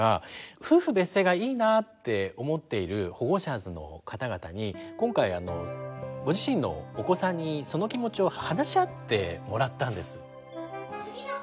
夫婦別姓がいいなって思っているホゴシャーズの方々に今回ご自身のお子さんにその気持ちを話し合ってもらったんです。